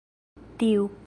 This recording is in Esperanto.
tiu